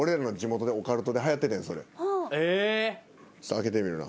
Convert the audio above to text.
開けてみるな。